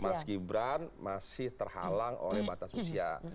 mas gibran masih terhalang oleh batas usia